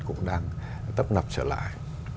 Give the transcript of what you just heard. cũng đang tấp nập trở lại